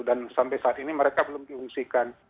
dan sampai saat ini mereka belum diungsikan